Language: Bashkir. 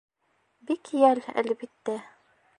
Бик йәл, әлбиттә.